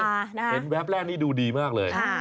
เห็นแวบแรกนี่ดูดีมากเลย